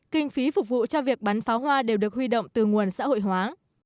kinh phí phục vụ cho việc bắn pháo hoa đều được huy động từ nguồn xã hội hóa